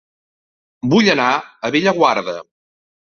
Vull anar a Bellaguarda